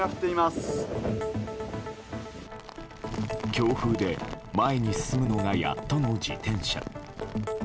強風で前に進むのがやっとの自転車。